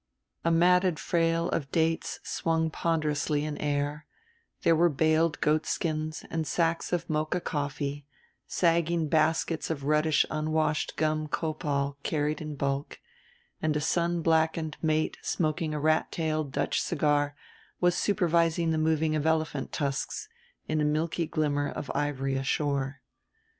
A matted frail of dates swung ponderously in air, there were baled goatskins and sacks of Mocha coffee, sagging baskets of reddish unwashed gum copal carried in bulk, and a sun blackened mate smoking a rat tail Dutch cigar was supervising the moving of elephant tusks in a milky glimmer of ivory ashore.